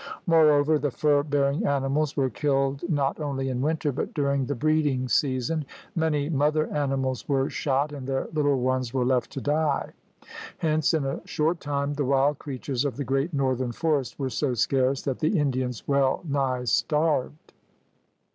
Moreover the fur bearing animals were killed not only in winter but during the breeding season. Many mother animals were shot and their little ones were left to die. Hence in a short time the wild creatures of the great northern forest were so scarce that the Indians well nigh starved.